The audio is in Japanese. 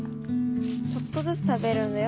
ちょっとずつ食べるんだよ。